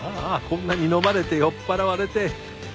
こんなに飲まれて酔っ払われて。